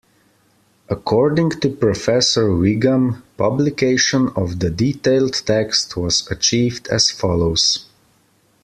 According to Professor Whigham publication of the detailed text was achieved as follows.